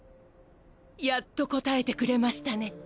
やっと答えてくれましたね。